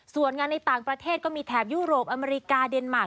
ส่วนงานในต่างประเทศก็มีแถบยุโรปอเมริกาเดนมาร์